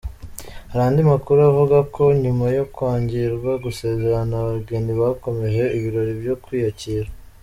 Hari andi makuru avuga ko nyuma yo kwangirwa gusezerana abageni bakomeje ibirori byo kwiyakira.